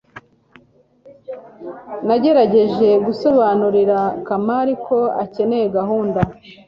nagerageje gusobanurira kamali ko akeneye gahunda